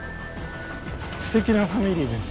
素敵なファミリーです。